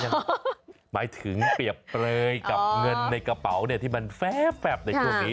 หมายถึงเปรียบเปลยกับเงินในกระเป๋าเนี่ยที่มันแฟบในช่วงนี้